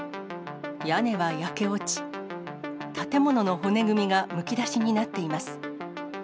屋根は焼け落ち、建物の骨組みがむき出しになっています。